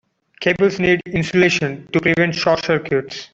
Cables need insulation to prevent short circuits.